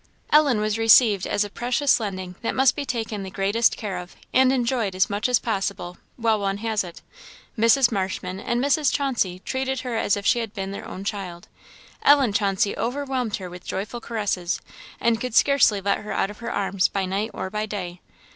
Ellen was received as a precious lending that must be taken the greatest care of and enjoyed as much as possible while one has it. Mrs. Marshman and Mrs. Chauncey treated her as if she had been their own child. Ellen Chauncey overwhelmed her with joyful caresses, and could scarcely let her out of her arms by night or by day.